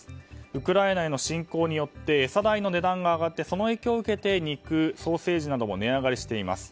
ウクライナへの侵攻によって餌代の値段が上がってその影響を受けて肉、ソーセージなども値上がりしています。